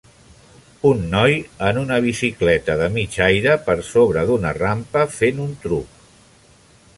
Un noi en una bicicleta de mig aire per sobre d'una rampa, fent un truc.